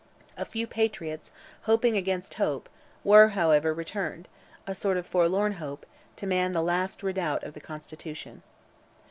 A few patriots, hoping against hope, were, however, returned, a sort of forlorn hope, to man the last redoubt of the Constitution.